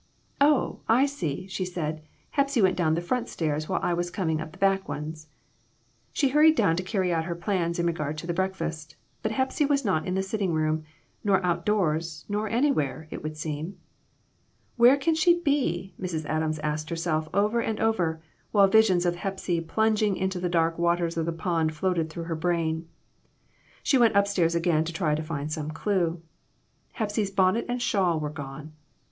" Oh, I see," she said ;" Hepsy went down the front stairs while I was coming up the back ones." She hurried down to carry out her plans in regard to the breakfast, but Hepsy was not in the sitting room, nor outdoors, nor anywhere, it would seem. "Where can she be?" Mrs. Adams asked her self over and over, while visions of Hepsy plung ing into the dark waters of the pond floated through her brain. She went up stairs again to try to find some clue. Hepsy's bonnet and shawl were gone.